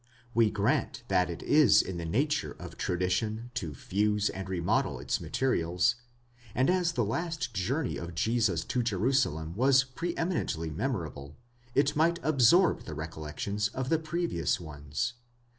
We grant that it is in the nature of tradition to fuse and remodel its materials, and as the last journey of Jesus to Jerusalem was pre eminently memorable, it might ahsorb the re collections of the previous ones.